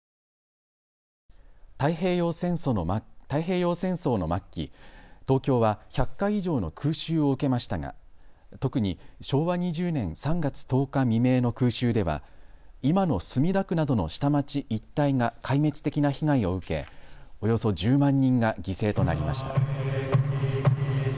太平洋戦争の末期、東京は１００回以上の空襲を受けましたが特に昭和２０年３月１０日未明の空襲では今の墨田区などの下町一帯が壊滅的な被害を受けおよそ１０万人が犠牲となりました。